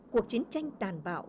cuộc chiến tranh tàn bạo